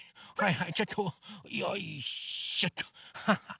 はいちょっとよいしょっとハハッ。